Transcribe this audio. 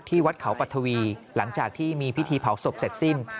วัดเขาปัทวีหลังจากที่มีพิธีเผาศพเสร็จสิ้น